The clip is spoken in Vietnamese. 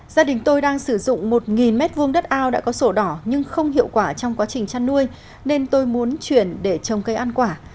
gia đình tôi đang sử dụng một m hai đất ao đã có sổ đỏ nhưng không hiệu quả trong quá trình chăn nuôi nên tôi muốn chuyển để trồng cây ăn quả